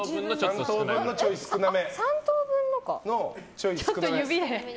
３等分のちょい少なめ。